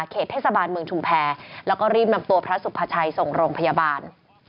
เทศบาลเมืองชุมแพรแล้วก็รีบนำตัวพระสุภาชัยส่งโรงพยาบาล